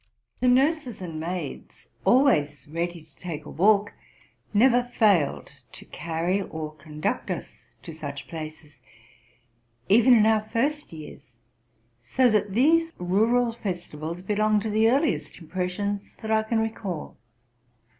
The nurses and maids, always ready to take a walk, never failed to carry or conduct us to such places, even in our first years; so that these rural festivals belong to the earliest impressions that I can recall.